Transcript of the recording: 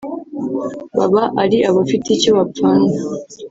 baba ari abafite icyo bapfana